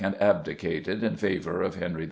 abdicated in favour of Henry IV.